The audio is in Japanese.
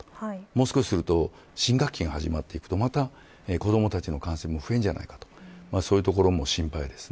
もう少しすると新学期が始まっていくとまた子どもたちの感染も増えるんじゃないかというところも心配です。